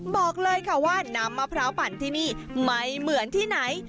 บอกเลยค่ะว่าน้ำมะพร้าวปั่นที่นี่ไม่เหมือนที่ไหน